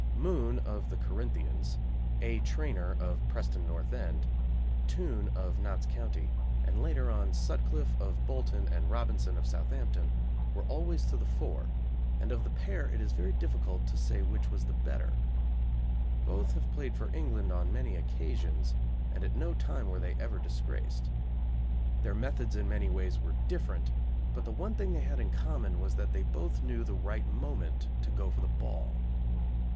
Moon, of the Corinthians; A. Trainor, of Preston North End; Toone, of Notts County; and, later on, Sutcliffe, of Bolton, and Robinson, of Southampton, were always to the fore, and of the pair it is very difficult to say which was the better. Both have played for England on many occasions, and at no time were they ever disgraced. Their methods in many ways were different, but the one thing they had in common was that they both knew the right moment to go for the ball.